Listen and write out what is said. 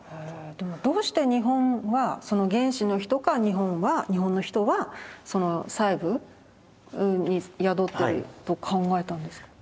どうして日本はその原始の人か日本は日本の人はその細部に宿ってると考えたんですか？